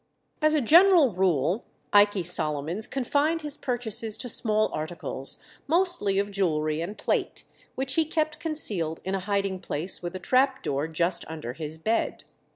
As a general rule Ikey Solomons confined his purchases to small articles, mostly of jewellery and plate, which he kept concealed in a hiding place with a trap door just under his bed.